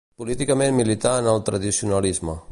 Políticament milità en el tradicionalisme.